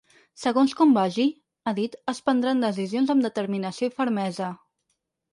Segons com vagi, ha dit, es prendran decisions amb determinació i fermesa.